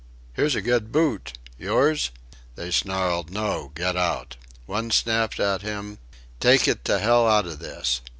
"Here's a good boot. Yours?" They snarled, "No get out." One snapped at him, "Take it to hell out of this."